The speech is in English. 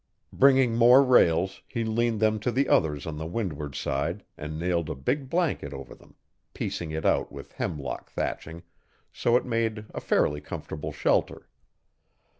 Bringing more rails, he leaned them to the others on the windward side and nailed a big blanket over them, piecing it out with hemlock thatching, so it made a fairly comfortable shelter.